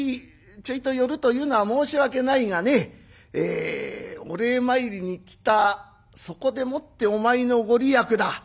ちょいと寄るというのは申し訳ないがねえお礼参りに来たそこでもってお前の御利益だ。